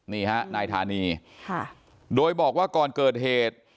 นี่ฮะนายธานีโดยบอกว่าก่อนเกิดเหตุ